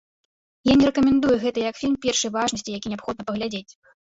Я не рэкамендую гэта як фільм першай важнасці, які неабходна паглядзець.